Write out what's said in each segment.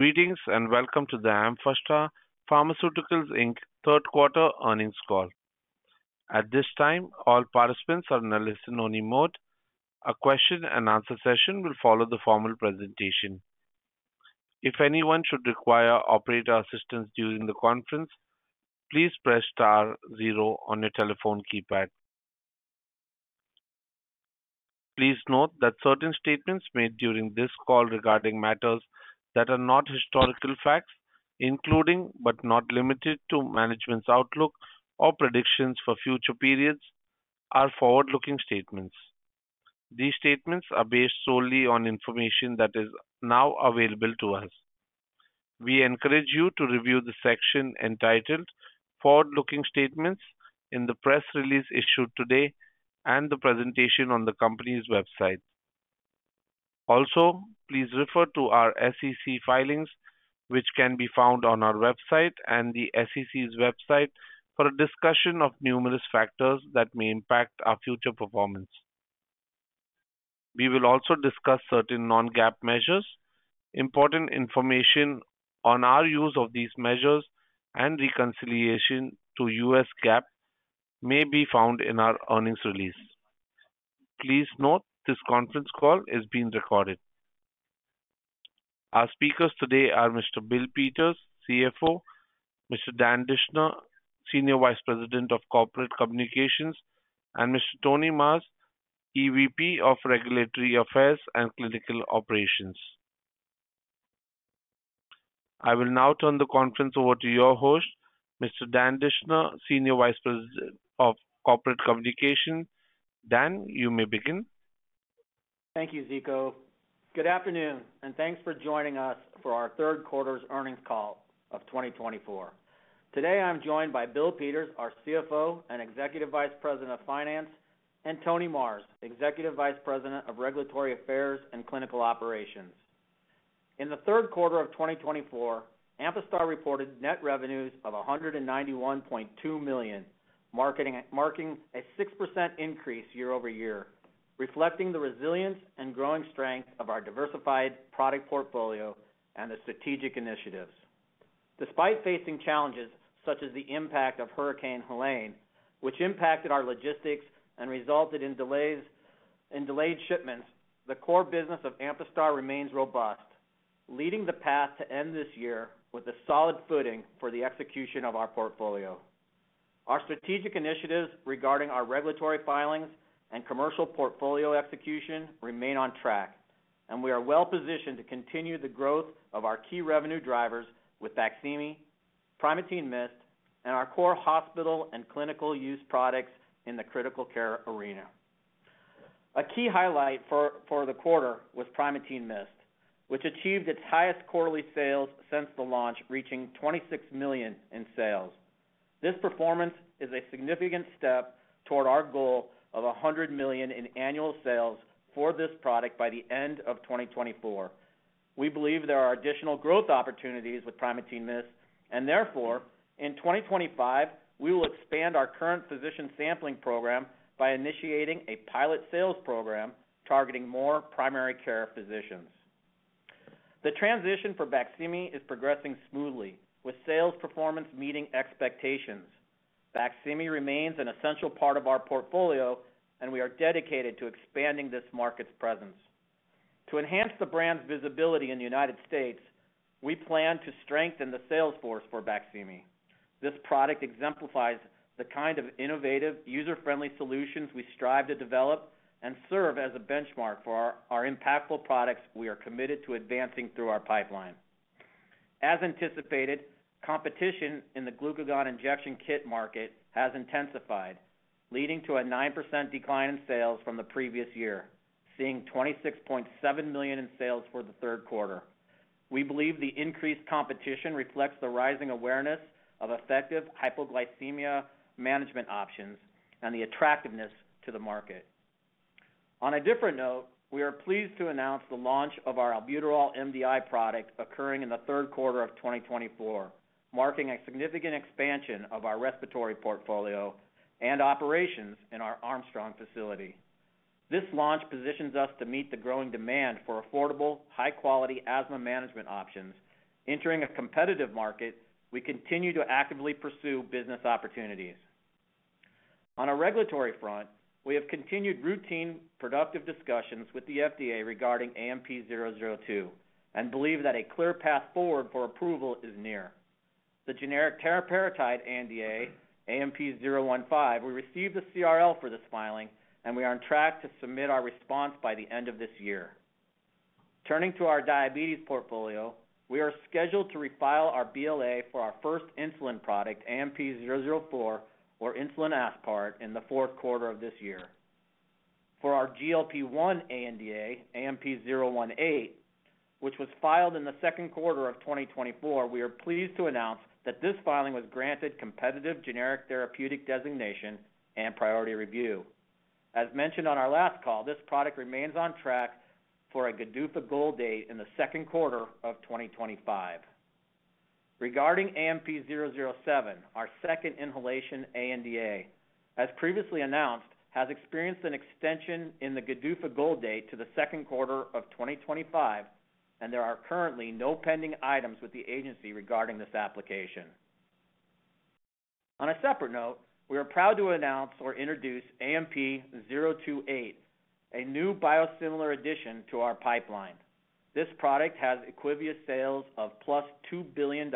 Greetings and welcome to the Amphastar Pharmaceuticals, Inc. third quarter earnings call. At this time, all participants are in a listen-only mode. A question-and-answer session will follow the formal presentation. If anyone should require operator assistance during the conference, please press star zero on your telephone keypad. Please note that certain statements made during this call regarding matters that are not historical facts, including but not limited to management's outlook or predictions for future periods, are forward-looking statements. These statements are based solely on information that is now available to us. We encourage you to review the section entitled "Forward-looking Statements" in the press release issued today and the presentation on the company's website. Also, please refer to our SEC filings, which can be found on our website and the SEC's website, for a discussion of numerous factors that may impact our future performance. We will also discuss certain non-GAAP measures. Important information on our use of these measures and reconciliation to U.S. GAAP may be found in our earnings release. Please note this conference call is being recorded. Our speakers today are Mr. Bill Peters, CFO; Mr. Dan Dischner, Senior Vice President of Corporate Communications; and Mr. Tony Marrs, EVP of Regulatory Affairs and Clinical Operations. I will now turn the conference over to your host, Mr. Dan Dischner, Senior Vice President of Corporate Communications. Dan, you may begin. Thank you, Ziko. Good afternoon, and thanks for joining us for our third quarter's earnings call of 2024. Today, I'm joined by Bill Peters, our CFO and Executive Vice President of Finance, and Tony Marrs, Executive Vice President of Regulatory Affairs and Clinical Operations. In the third quarter of 2024, Amphastar reported net revenues of $191.2 million, marking a 6% increase year-over-year, reflecting the resilience and growing strength of our diversified product portfolio and the strategic initiatives. Despite facing challenges such as the impact of Hurricane Helene, which impacted our logistics and resulted in delayed shipments, the core business of Amphastar remains robust, leading the path to end this year with a solid footing for the execution of our portfolio. Our strategic initiatives regarding our regulatory filings and commercial portfolio execution remain on track, and we are well-positioned to continue the growth of our key revenue drivers with Baqsimi, Primatene Mist, and our core hospital and clinical use products in the critical care arena. A key highlight for the quarter was Primatene Mist, which achieved its highest quarterly sales since the launch, reaching $26 million in sales. This performance is a significant step toward our goal of $100 million in annual sales for this product by the end of 2024. We believe there are additional growth opportunities with Primatene Mist, and therefore, in 2025, we will expand our current physician sampling program by initiating a pilot sales program targeting more primary care physicians. The transition for Baqsimi is progressing smoothly, with sales performance meeting expectations. Baqsimi remains an essential part of our portfolio, and we are dedicated to expanding this market's presence. To enhance the brand's visibility in the United States, we plan to strengthen the sales force for Baqsimi. This product exemplifies the kind of innovative, user-friendly solutions we strive to develop and serve as a benchmark for our impactful products we are committed to advancing through our pipeline. As anticipated, competition in the glucagon injection kit market has intensified, leading to a 9% decline in sales from the previous year, seeing $26.7 million in sales for the third quarter. We believe the increased competition reflects the rising awareness of effective hypoglycemia management options and the attractiveness to the market. On a different note, we are pleased to announce the launch of our Albuterol MDI product occurring in the third quarter of 2024, marking a significant expansion of our respiratory portfolio and operations in our Armstrong facility. This launch positions us to meet the growing demand for affordable, high-quality asthma management options. Entering a competitive market, we continue to actively pursue business opportunities. On a regulatory front, we have continued routine productive discussions with the FDA regarding AMP-002 and believe that a clear path forward for approval is near. The generic teriparatide AMP-015, we received the CRL for this filing, and we are on track to submit our response by the end of this year. Turning to our diabetes portfolio, we are scheduled to refile our BLA for our first insulin product, AMP-004, or insulin aspart, in the fourth quarter of this year. For our GLP-1 AMP-018, which was filed in the second quarter of 2024, we are pleased to announce that this filing was granted competitive generic therapeutic designation and priority review. As mentioned on our last call, this product remains on track for a GDUFA goal date in the second quarter of 2025. Regarding AMP-007, our second inhalation ANDA, as previously announced, has experienced an extension in the GDUFA goal date to the second quarter of 2025, and there are currently no pending items with the agency regarding this application. On a separate note, we are proud to announce or introduce AMP-028, a new biosimilar addition to our pipeline. This product has IQVIA sales of plus $2 billion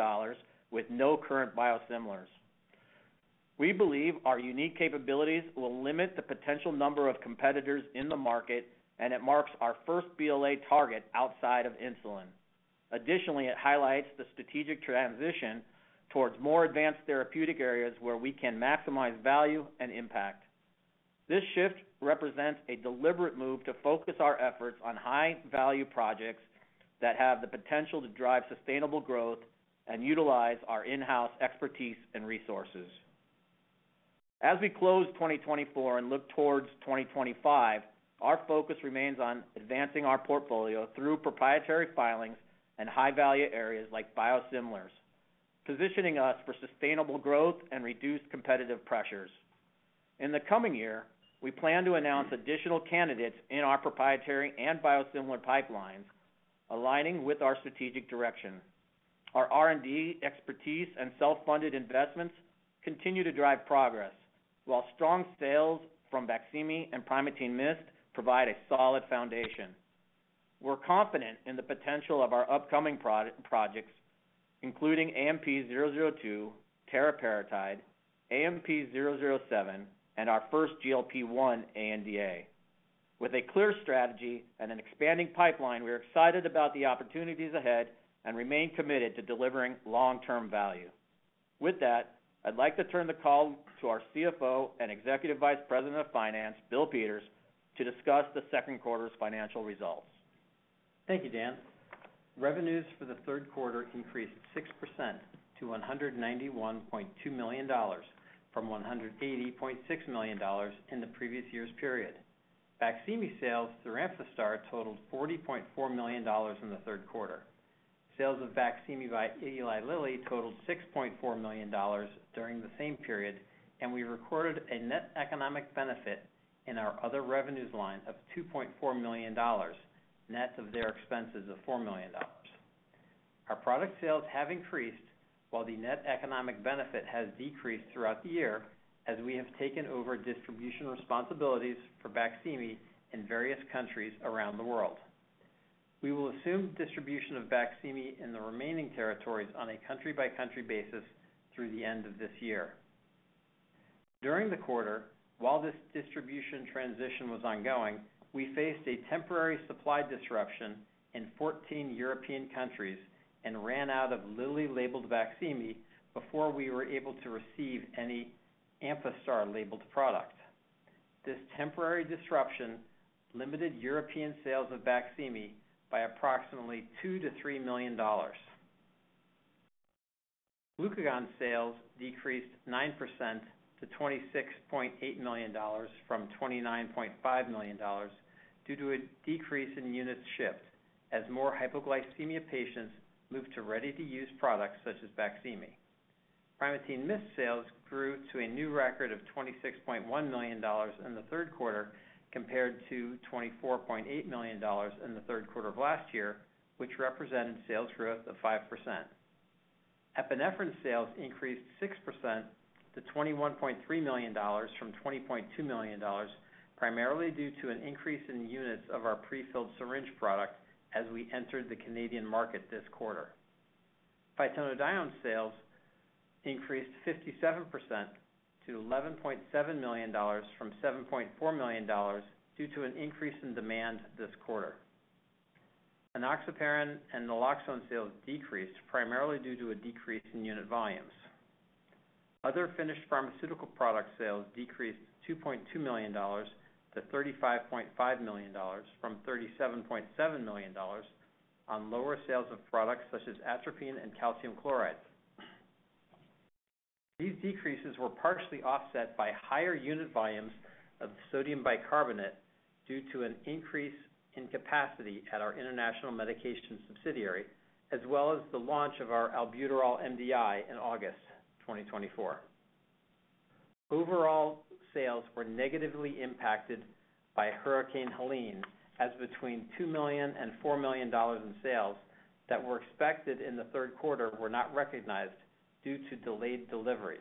with no current biosimilars. We believe our unique capabilities will limit the potential number of competitors in the market, and it marks our first BLA target outside of insulin. Additionally, it highlights the strategic transition towards more advanced therapeutic areas where we can maximize value and impact. This shift represents a deliberate move to focus our efforts on high-value projects that have the potential to drive sustainable growth and utilize our in-house expertise and resources. As we close 2024 and look towards 2025, our focus remains on advancing our portfolio through proprietary filings and high-value areas like biosimilars, positioning us for sustainable growth and reduced competitive pressures. In the coming year, we plan to announce additional candidates in our proprietary and biosimilar pipelines, aligning with our strategic direction. Our R&D expertise and self-funded investments continue to drive progress, while strong sales from Baqsimi and Primatene Mist provide a solid foundation. We're confident in the potential of our upcoming projects, including AMP-002, teriparatide, AMP-007, and our first GLP-1 ANDA. With a clear strategy and an expanding pipeline, we're excited about the opportunities ahead and remain committed to delivering long-term value. With that, I'd like to turn the call to our CFO and Executive Vice President of Finance, Bill Peters, to discuss the second quarter's financial results. Thank you, Dan. Revenues for the third quarter increased 6% to $191.2 million from $180.6 million in the previous year's period. Baqsimi sales through Amphastar totaled $40.4 million in the third quarter. Sales of Baqsimi by Eli Lilly totaled $6.4 million during the same period, and we recorded a net economic benefit in our other revenues line of $2.4 million, net of their expenses of $4 million. Our product sales have increased, while the net economic benefit has decreased throughout the year as we have taken over distribution responsibilities for Baqsimi in various countries around the world. We will assume distribution of Baqsimi in the remaining territories on a country-by-country basis through the end of this year. During the quarter, while this distribution transition was ongoing, we faced a temporary supply disruption in 14 European countries and ran out of Lilly-labeled Baqsimi before we were able to receive any Amphastar-labeled product. This temporary disruption limited European sales of Baqsimi by approximately 2-$3 million. Glucagon sales decreased 9% to $26.8 million from $29.5 million due to a decrease in units shipped as more hypoglycemia patients moved to ready-to-use products such as Baqsimi. Primatene Mist sales grew to a new record of $26.1 million in the third quarter compared to $24.8 million in the third quarter of last year, which represented sales growth of 5%. Epinephrine sales increased 6% to $21.3 million from $20.2 million, primarily due to an increase in units of our prefilled syringe product as we entered the Canadian market this quarter. Phytonadione sales increased 57% to $11.7 million from $7.4 million due to an increase in demand this quarter. Enoxaparin and naloxone sales decreased primarily due to a decrease in unit volumes. Other finished pharmaceutical product sales decreased $2.2 million to $35.5 million from $37.7 million on lower sales of products such as atropine and calcium chloride. These decreases were partially offset by higher unit volumes of sodium bicarbonate due to an increase in capacity at our international medication subsidiary, as well as the launch of our Albuterol MDI in August 2024. Overall, sales were negatively impacted by Hurricane Helene, as between $2 million and $4 million in sales that were expected in the third quarter were not recognized due to delayed deliveries.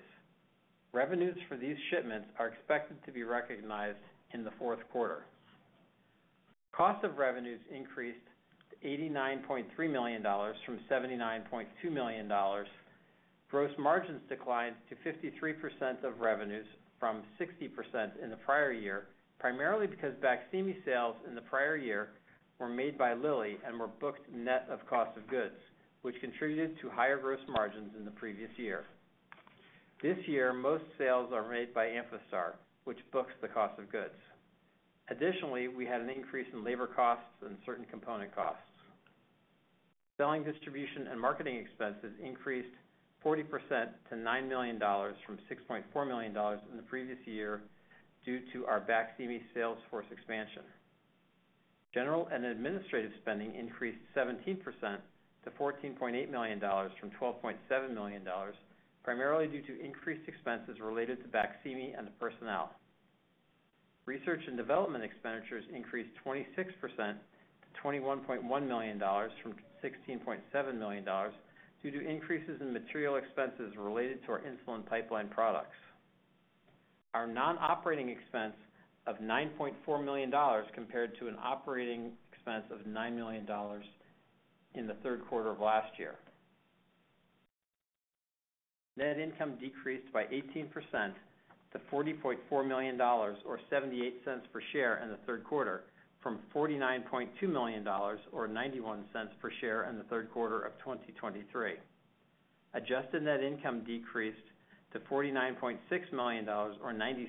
Revenues for these shipments are expected to be recognized in the fourth quarter. Cost of revenues increased to $89.3 million from $79.2 million. Gross margins declined to 53% of revenues from 60% in the prior year, primarily because vaccine sales in the prior year were made by Lilly and were booked net of cost of goods, which contributed to higher gross margins in the previous year. This year, most sales are made by Amphastar, which books the cost of goods. Additionally, we had an increase in labor costs and certain component costs. Selling, distribution, and marketing expenses increased 40% to $9 million from $6.4 million in the previous year due to our vaccine sales force expansion. General and administrative spending increased 17% to $14.8 million from $12.7 million, primarily due to increased expenses related to Baqsimi and personnel. Research and development expenditures increased 26% to $21.1 million from $16.7 million due to increases in material expenses related to our insulin pipeline products. Our non-operating expense of $9.4 million compared to an operating expense of $9 million in the third quarter of last year. Net income decreased by 18% to $40.4 million, or $0.78 per share in the third quarter, from $49.2 million, or $0.91 per share in the third quarter of 2023. Adjusted net income decreased to $49.6 million, or $0.96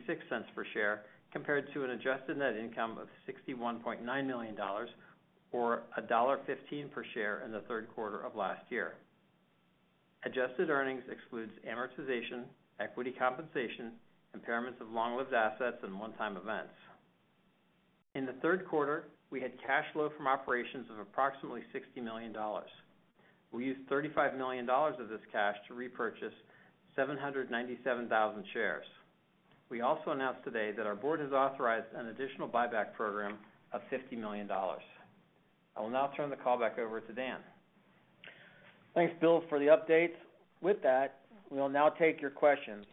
per share, compared to an adjusted net income of $61.9 million, or $1.15 per share in the third quarter of last year. Adjusted earnings excludes amortization, equity compensation, impairments of long-lived assets, and one-time events. In the third quarter, we had cash flow from operations of approximately $60 million. We used $35 million of this cash to repurchase 797,000 shares. We also announced today that our Board has authorized an additional buyback program of $50 million. I will now turn the call back over to Dan. Thanks, Bill, for the updates. With that, we will now take your questions.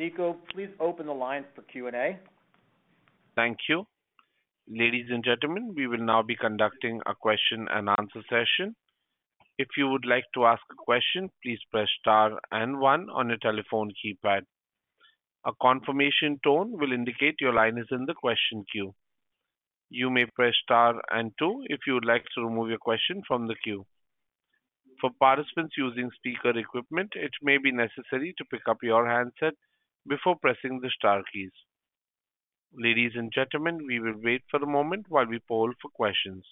Zico, please open the line for Q&A. Thank you. Ladies and gentlemen, we will now be conducting a question and answer session. If you would like to ask a question, please press star and one on your telephone keypad. A confirmation tone will indicate your line is in the question queue. You may press star and two if you would like to remove your question from the queue. For participants using speaker equipment, it may be necessary to pick up your handset before pressing the star keys. Ladies and gentlemen, we will wait for a moment while we poll for questions.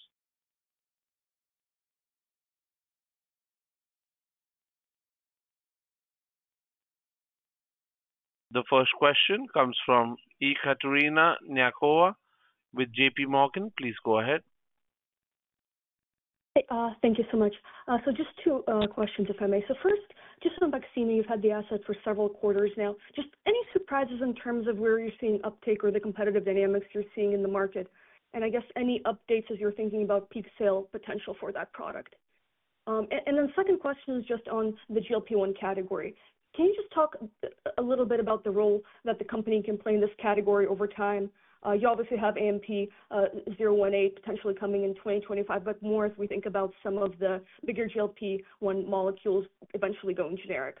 The first question comes from Ekaterina Knyazkova with J.P. Morgan. Please go ahead. Thank you so much. So just two questions, if I may. So first, just on vaccine, you've had the asset for several quarters now. Just any surprises in terms of where you're seeing uptake or the competitive dynamics you're seeing in the market? And I guess any updates as you're thinking about peak sale potential for that product? And then second question is just on the GLP-1 category. Can you just talk a little bit about the role that the company can play in this category over time? You obviously have AMP-018 potentially coming in 2025, but more as we think about some of the bigger GLP-1 molecules eventually going generic.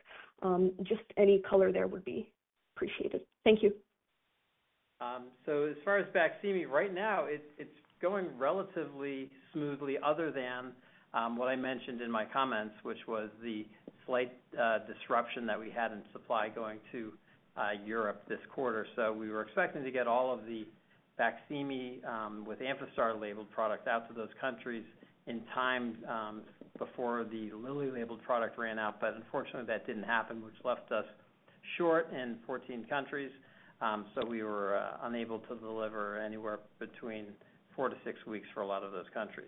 Just any color there would be appreciated. Thank you. As far as Baqsimi, right now, it's going relatively smoothly other than what I mentioned in my comments, which was the slight disruption that we had in supply going to Europe this quarter. We were expecting to get all of the Baqsimi with Amphastar-labeled products out to those countries in time before the Lilly-labeled product ran out. But unfortunately, that didn't happen, which left us short in 14 countries. We were unable to deliver anywhere between four to six weeks for a lot of those countries.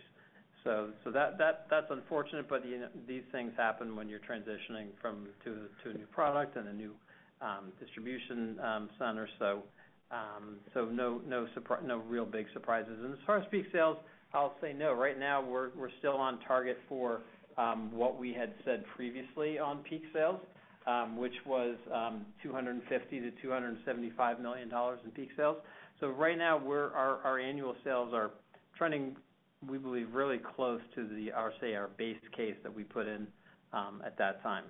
That's unfortunate, but these things happen when you're transitioning to a new product and a new distribution center. No real big surprises. As far as peak sales, I'll say no. Right now, we're still on target for what we had said previously on peak sales, which was $250-$275 million in peak sales. So right now, our annual sales are trending, we believe, really close to, I would say, our base case that we put in at that time.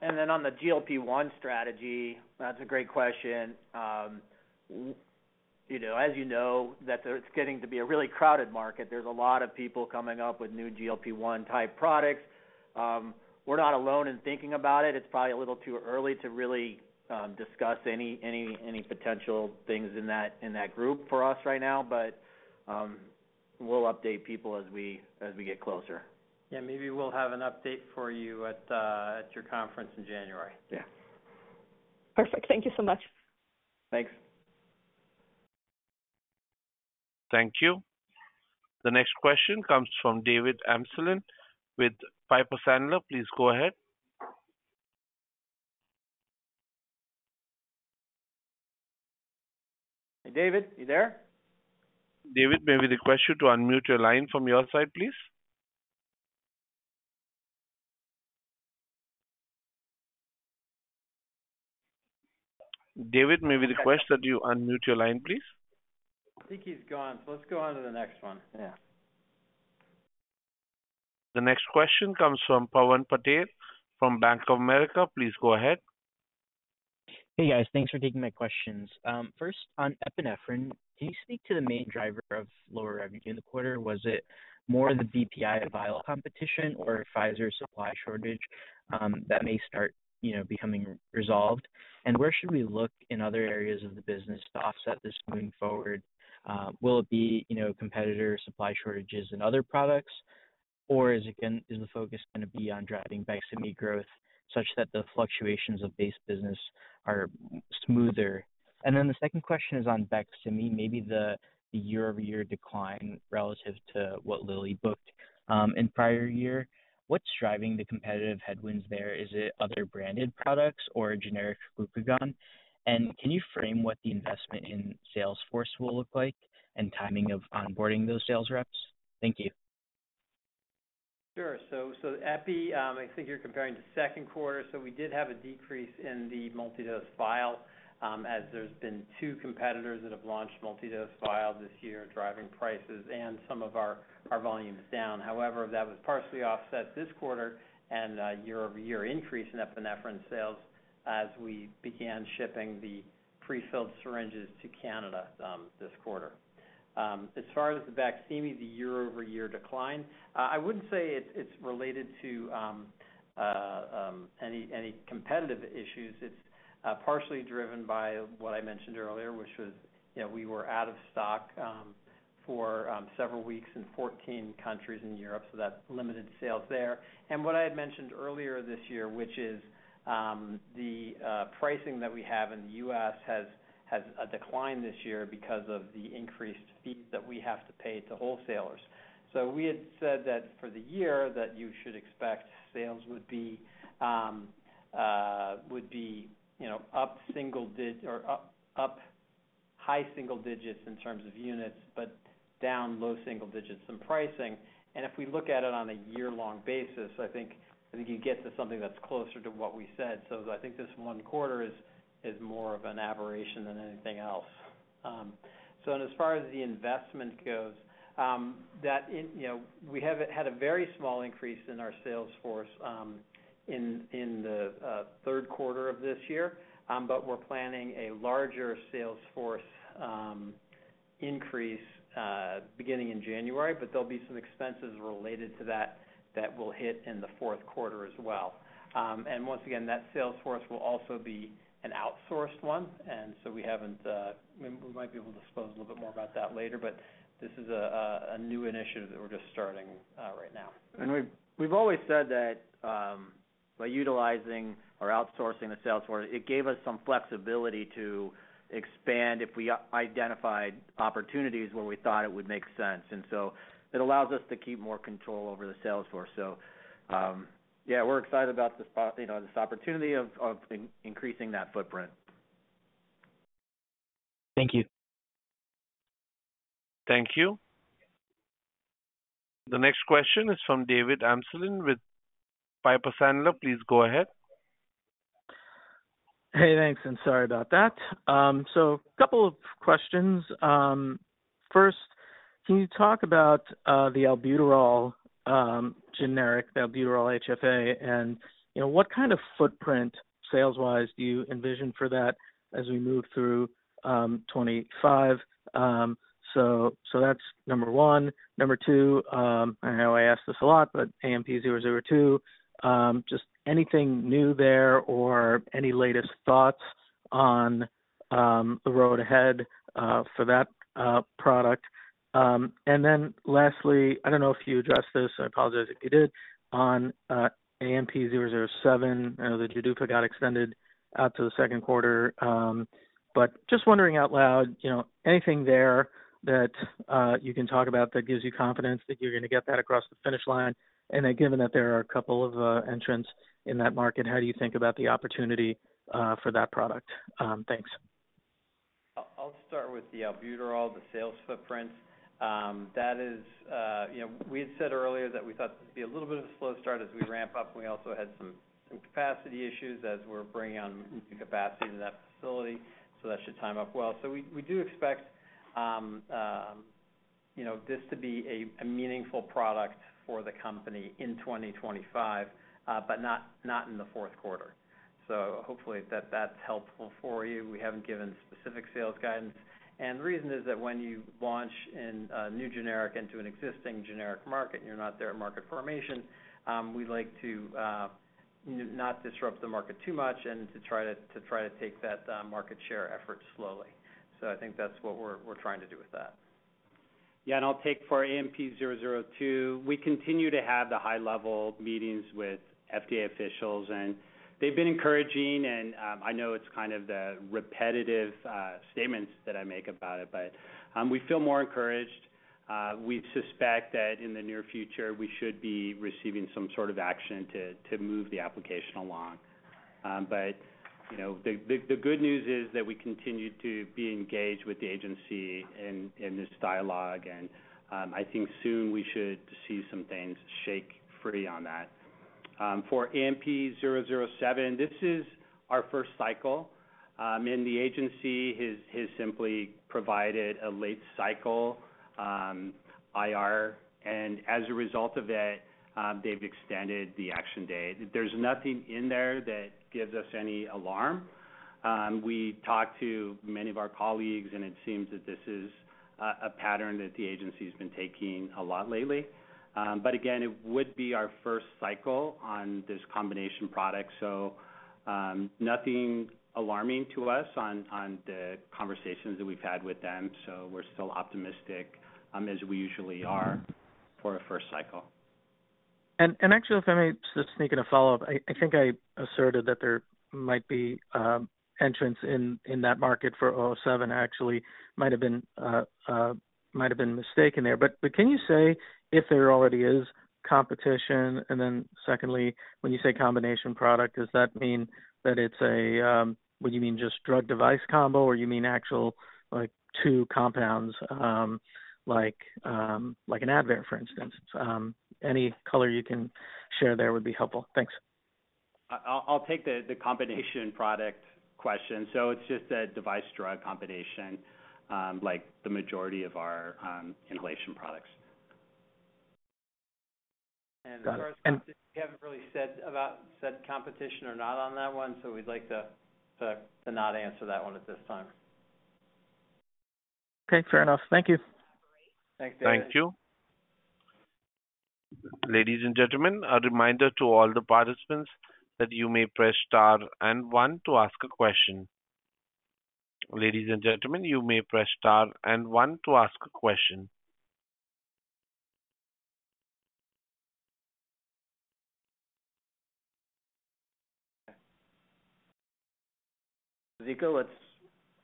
And then on the GLP-1 strategy, that's a great question. As you know, it's getting to be a really crowded market. There's a lot of people coming up with new GLP-1 type products. We're not alone in thinking about it. It's probably a little too early to really discuss any potential things in that group for us right now, but we'll update people as we get closer. Yeah, maybe we'll have an update for you at your conference in January. Yeah. Perfect. Thank you so much. Thanks. Thank you. The next question comes from David Amsellem with Piper Sandler. Please go ahead. David, you there? David, may we request you to unmute your line from your side, please? David, may we request that you unmute your line, please? I think he's gone, so let's go on to the next one. Yeah. The next question comes from Pawan Patel from Bank of America. Please go ahead. Hey, guys. Thanks for taking my questions. First, on epinephrine, can you speak to the main driver of lower revenue in the quarter? Was it more the BPI vial competition or Pfizer supply shortage that may start becoming resolved? And where should we look in other areas of the business to offset this moving forward? Will it be competitor supply shortages and other products, or is the focus going to be on driving Baqsimi growth such that the fluctuations of base business are smoother? And then the second question is on Baqsimi, maybe the year-over-year decline relative to what Lilly booked in prior year. What's driving the competitive headwinds there? Is it other branded products or generic glucagon? And can you frame what the investment in sales force will look like and timing of onboarding those sales reps? Thank you. Sure. So EPI, I think you're comparing to second quarter. So we did have a decrease in the multidose vial as there's been two competitors that have launched multidose vial this year, driving prices and some of our volumes down. However, that was partially offset this quarter and a year-over-year increase in epinephrine sales as we began shipping the prefilled syringes to Canada this quarter. As far as the vaccine, the year-over-year decline, I wouldn't say it's related to any competitive issues. It's partially driven by what I mentioned earlier, which was we were out of stock for several weeks in 14 countries in Europe. So that limited sales there. And what I had mentioned earlier this year, which is the pricing that we have in the U.S. has declined this year because of the increased fees that we have to pay to wholesalers. So we had said that for the year that you should expect sales would be up high single digits in terms of units, but down low single digits in pricing. And if we look at it on a year-long basis, I think you get to something that's closer to what we said. So I think this one quarter is more of an aberration than anything else. So as far as the investment goes, we have had a very small increase in our sales force in the third quarter of this year, but we're planning a larger sales force increase beginning in January, but there'll be some expenses related to that that will hit in the fourth quarter as well. And once again, that sales force will also be an outsourced one. We might be able to disclose a little bit more about that later, but this is a new initiative that we're just starting right now. We've always said that by utilizing or outsourcing the sales force, it gave us some flexibility to expand if we identified opportunities where we thought it would make sense. It allows us to keep more control over the sales force. Yeah, we're excited about this opportunity of increasing that footprint. Thank you. Thank you. The next question is from David Amsellem with Piper Sandler. Please go ahead. Hey, thanks. I'm sorry about that. So a couple of questions. First, can you talk about the Albuterol generic, the Albuterol HFA, and what kind of footprint sales-wise do you envision for that as we move through 2025? So that's number one. Number two, I know I asked this a lot, but AMP-002, just anything new there or any latest thoughts on the road ahead for that product? And then lastly, I don't know if you addressed this, I apologize if you did, on AMP-007, the GDUFA got extended out to the second quarter. But just wondering out loud, anything there that you can talk about that gives you confidence that you're going to get that across the finish line? And then given that there are a couple of entrants in that market, how do you think about the opportunity for that product? Thanks. I'll start with the Albuterol, the sales footprints. That is, we had said earlier that we thought this would be a little bit of a slow start as we ramp up. We also had some capacity issues as we're bringing on new capacity to that facility. So that should time up well. So we do expect this to be a meaningful product for the company in 2025, but not in the fourth quarter. So hopefully that's helpful for you. We haven't given specific sales guidance. And the reason is that when you launch a new generic into an existing generic market, you're not there at market formation. We'd like to not disrupt the market too much and to try to take that market share effort slowly. So I think that's what we're trying to do with that. Yeah, and I'll take for AMP-002, we continue to have the high-level meetings with FDA officials, and they've been encouraging. And I know it's kind of the repetitive statements that I make about it, but we feel more encouraged. We suspect that in the near future, we should be receiving some sort of action to move the application along. But the good news is that we continue to be engaged with the agency in this dialogue, and I think soon we should see some things shake free on that. For AMP-007, this is our first cycle. And the agency has simply provided a late cycle IR. And as a result of that, they've extended the action date. There's nothing in there that gives us any alarm. We talked to many of our colleagues, and it seems that this is a pattern that the agency has been taking a lot lately. But again, it would be our first cycle on this combination product. So nothing alarming to us on the conversations that we've had with them. So we're still optimistic as we usually are for a first cycle. Actually, if I may just sneak in a follow-up, I think I asserted that there might be entrants in that market for 007. Actually, might have been mistaken there. But can you say if there already is competition? And then secondly, when you say combination product, does that mean that it's a, what do you mean, just drug-device combo, or do you mean actual two compounds, like an Advair, for instance? Any color you can share there would be helpful. Thanks. I'll take the combination product question. So it's just a device-drug combination, like the majority of our inhalation products. And as far as competition, we haven't really said competition or not on that one. So we'd like to not answer that one at this time. Okay. Fair enough. Thank you. Thanks, David. Thank you. Ladies and gentlemen, a reminder to all the participants that you may press star and one to ask a question. Zico, let's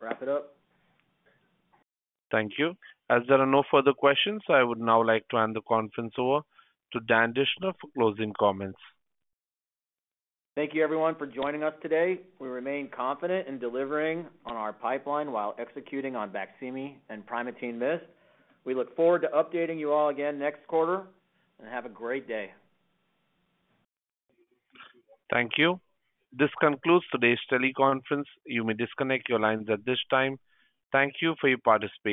wrap it up. Thank you. As there are no further questions, I would now like to hand the conference over to Dan Dischner for closing comments. Thank you, everyone, for joining us today. We remain confident in delivering on our pipeline while executing on Baqsimi and Primatene Mist. We look forward to updating you all again next quarter and have a great day. Thank you. This concludes today's teleconference. You may disconnect your lines at this time. Thank you for your participation.